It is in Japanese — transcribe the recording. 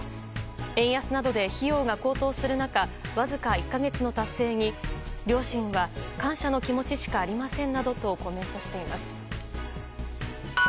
円安などで費用が高騰する中わずか１か月の達成に両親は、感謝の気持ちしかありませんなどとコメントしています。